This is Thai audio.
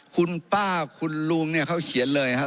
คุณป้าคุณลุงเนี่ยเขาเขียนเลยครับ